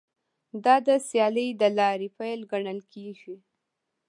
دا د سیالۍ د لارې پیل ګڼل کیږي